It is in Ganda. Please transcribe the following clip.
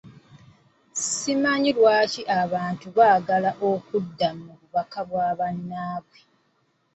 Simanyi lwaki abantu baagala okuddamu bubaka bwa bannaabwe?